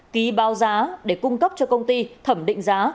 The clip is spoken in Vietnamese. ký bao giá để cung cấp cho công ty thẩm định giá